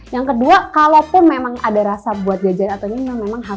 yang kedua kalaupun memang ada rasa buat jajan atau nina